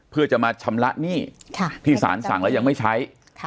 เพื่อจะมาชำระหนี้ที่สารสั่งแล้วยังไม่ใช้